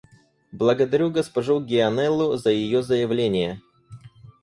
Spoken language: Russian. Благодарю госпожу Гианнеллу за ее заявление.